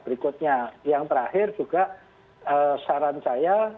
berikutnya yang terakhir juga saran saya